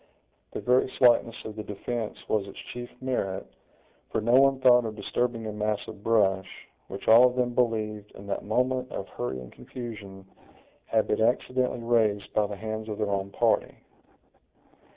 The very slightness of the defense was its chief merit, for no one thought of disturbing a mass of brush, which all of them believed, in that moment of hurry and confusion, had been accidentally raised by the hands of their own party.